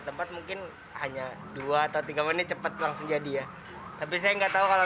tempat mungkin hanya dua atau tiga menit cepet langsung jadi ya tapi saya nggak tahu kalau